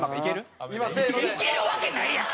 いけるわけないやん！